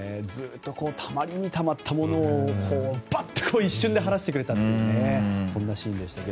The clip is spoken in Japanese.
たまりにたまったものをバッと一瞬で晴らしてくれたというシーンでしたが。